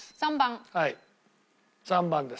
はい３番です。